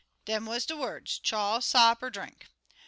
Dem wuz de words chaw, sop, er drink.